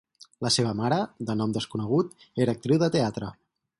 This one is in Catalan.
La seva mare, de nom desconegut, era actriu de teatre.